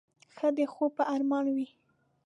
ښه د خوب په ارمان وې.